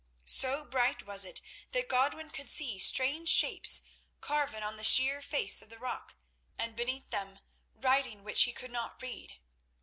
So bright was it that Godwin could see strange shapes carven on the sheer face of the rock, and beneath them writing which he could not read.